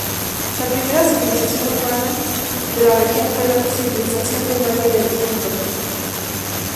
La primera civilización urbana de la región fue la civilización del valle del Indo.